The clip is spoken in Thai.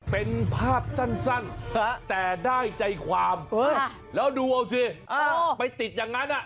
เป็นภาพสั้นแต่ได้ใจความแล้วดูเอาสิไปติดอย่างนั้น